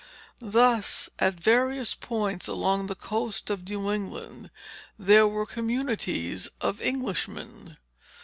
Thus, at various points along the coast of New England, there were communities of Englishmen.